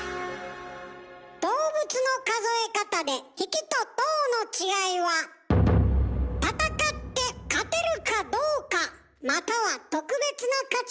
動物の数え方で「匹」と「頭」の違いは戦って勝てるかどうかまたは特別な価値があるかどうか。